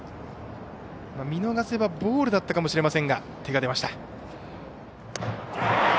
見逃せばボールだったかもしれませんが手が出ました。